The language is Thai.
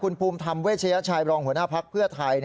คุณภูมิธรรมเวชยชัยรองหัวหน้าภักดิ์เพื่อไทย